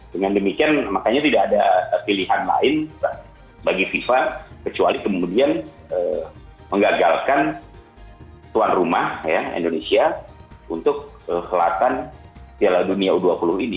dengan demikian makanya tidak ada pilihan lain bagi fifa kecuali kemudian mengagalkan tuan rumah indonesia untuk kelatan piala dunia u dua puluh ini